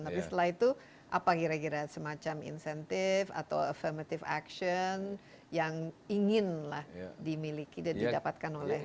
tapi setelah itu apa kira kira semacam insentif atau affirmative action yang inginlah dimiliki dan didapatkan oleh